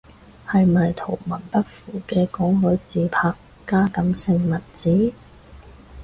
係咪圖文不符嘅港女自拍加感性文字？